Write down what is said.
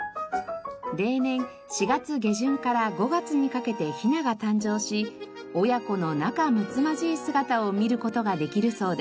例年４月下旬から５月にかけてヒナが誕生し親子の仲むつまじい姿を見る事ができるそうです。